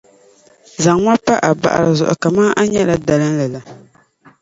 zaŋ ma pa a baɣiri zuɣu kaman n nyɛla dalinli la.